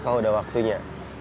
kalau udah waktunya